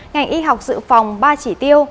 ngành y học dự phòng ba chỉ tiêu